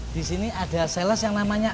disini ada sales yang namanya